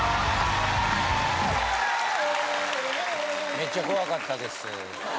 めっちゃ怖かったです。